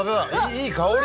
いい香り。